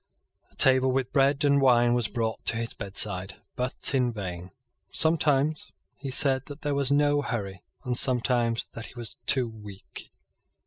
A table with bread and wine was brought to his bedside, but in vain. Sometimes he said that there was no hurry, and sometimes that he was too weak.